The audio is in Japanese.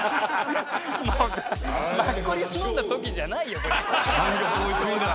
「」「マッコリを飲んだ時じゃないよこれ」